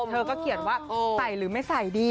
เธอก็เขียนว่าใส่หรือไม่ใส่ดี